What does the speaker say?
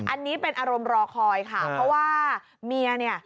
อันนี้เป็นอารมณ์รอคอยค่ะเพราะว่าเมียเนี่ย